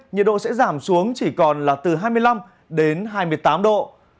nhiệt độ sẽ giảm xuống chỉ còn là từ hai mươi năm đến hai mươi tám độ